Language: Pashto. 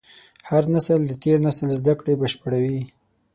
هر نسل د تېر نسل زدهکړې بشپړوي.